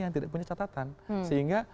yang tidak punya catatan sehingga